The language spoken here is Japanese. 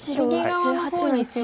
白１８の一ハネ。